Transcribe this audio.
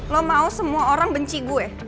lo mau semua orang benci gue